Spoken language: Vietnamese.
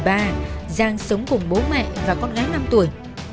vũ đức giang sống cùng bố mẹ và con gái năm tuổi